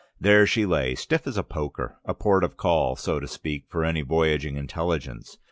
There she lay, stiff as a poker, a port of call, so to speak, for any voyaging intelligence.